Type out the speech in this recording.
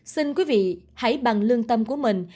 xin quý vị hãy bằng lương tâm của mình